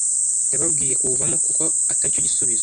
yababwiye kuwuvamo kuko atari cyo gisubizo